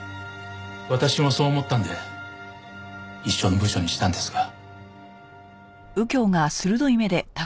私もそう思ったんで一緒の部署にしたんですが。